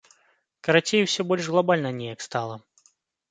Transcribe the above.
Карацей, усё больш глабальна неяк стала.